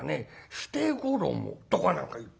捨衣とか何か言って。